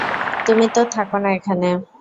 তুমি তো থাকো না এখানে।